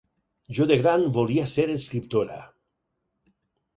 Jo de gran volia ser escriptora.